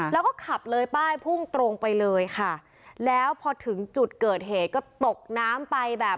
แล้วก็ขับเลยป้ายพุ่งตรงไปเลยค่ะแล้วพอถึงจุดเกิดเหตุก็ตกน้ำไปแบบ